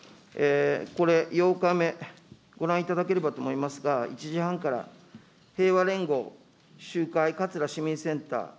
これ、８日目、ご覧いただければと思いますが、１時半から平和連合集会、桂市民センター。